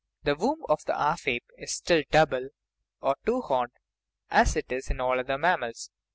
The womb of the half ape is still double, or two horned, as it is in all the other mammals.